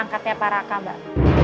ini anak angkatnya paraka mbak